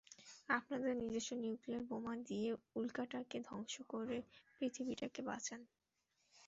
আপনাদের নিজস্ব নিউক্লিয়ার বোমা দিয়ে উল্কাটাকে ধ্বংস করে পৃথিবীটাকে বাঁচান!